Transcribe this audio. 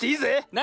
な！